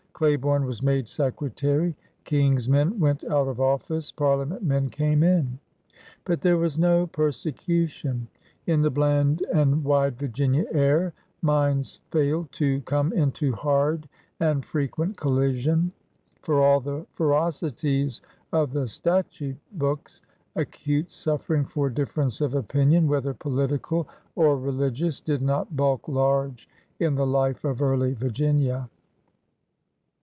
Claiborne was made Secretary. King's men went out of office; Pariia ment men came in. But there was no persecution. In the bland and wide Virginia air minds failed to come into hard and frequent collision. For all the ferocities of the statute books, acute su£Fering for difference of opinion, whether political or religious, did not bulk large in the life of early Virginia.